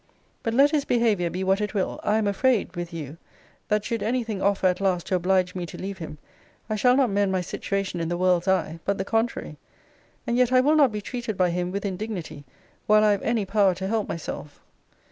But let his behaviour be what it will, I am afraid, (with you,) that should any thing offer at last to oblige me to leave him, I shall not mend my situation in the world's eye; but the contrary. And yet I will not be treated by him with indignity while I have any power to help myself.